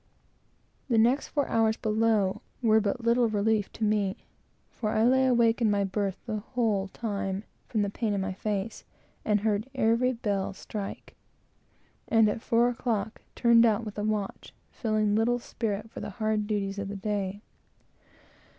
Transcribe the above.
The next four hours below were but little relief to me, for I lay awake in my berth, the whole time, from the pain in my face, and heard every bell strike, and, at four o'clock, turned out with the watch, feeling little spirit for the hard duties of the day.